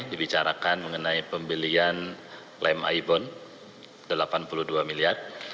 dibicarakan mengenai pembelian lem aibon rp delapan puluh dua miliar